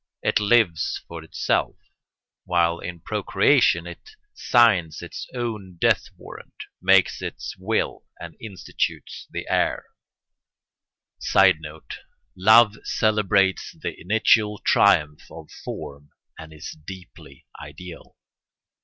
It lives for itself; while in procreation it signs its own death warrant, makes its will, and institutes its heir. [Sidenote: Love celebrates the initial triumph of form and is deeply ideal.